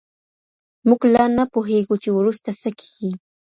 موږ لا نه پوهېږو چې وروسته څه کېږي.